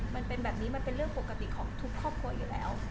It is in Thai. มันเป็นแบบนี้มันเป็นเรื่องปกติของทุกครอบครัวอยู่แล้ว